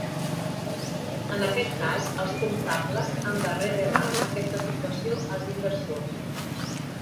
En aquest cas, els comptables han de revelar aquesta situació als inversors.